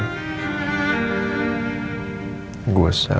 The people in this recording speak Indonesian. dan maupun rumah